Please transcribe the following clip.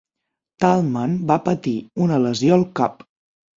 Tallman va patir una lesió al cap.